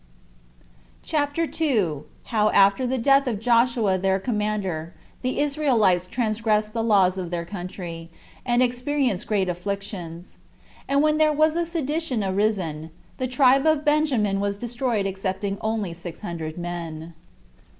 CHAPTER 2. How, After The Death Of Joshua Their Commander, The Israelites Transgressed The Laws Of Their Country, And Experienced Great Afflictions; And When There Was A Sedition Arisen, The Tribe Of Benjamin Was Destroyed Excepting Only Six Hundred Men.